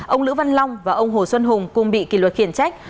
ông lữ văn long và ông hồ xuân hùng cùng bị kỷ luật khiển trách